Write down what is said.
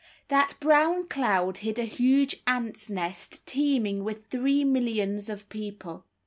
That brown cloud hid a huge ants' nest teeming with three millions of people.